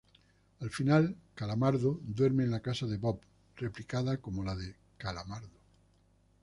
Al final, Calamardo duerme en la casa de Bob, replicada como la de Calamardo.